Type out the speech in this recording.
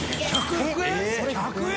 １００円？